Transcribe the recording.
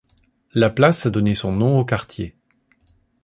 La place a donné son nom au quartier.